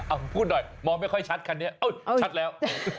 เอาพูดหน่อยมองไม่ค่อยชัดคันนี้เอ้าชัดแล้ว